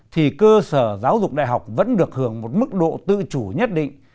thì cơ sở giáo dục đại học vẫn được hưởng một mức độ tự chủ nhất định